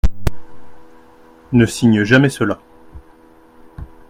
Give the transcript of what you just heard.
Ne signe jamais cela.